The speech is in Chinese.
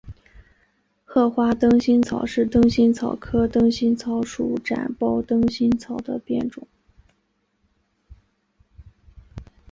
褐花灯心草是灯心草科灯心草属展苞灯心草的变种。